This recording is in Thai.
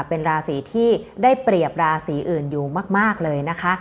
เป็นราศีที่ได้เปรียบราศีอื่นอยู่มากเลยนะคะ